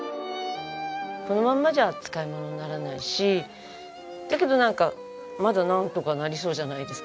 このまんまじゃ使いものにならないしだけどなんかまだなんとかなりそうじゃないですか。